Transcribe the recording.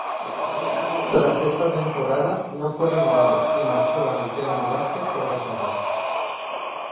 Tras esa temporada no fue renovado, y marchó al Teramo Basket por dos años.